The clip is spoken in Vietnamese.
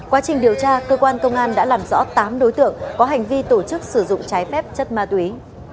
quá trình điều tra cơ quan công an đã làm rõ tám đối tượng có hành vi tổ chức sử dụng trái phép chất ma túy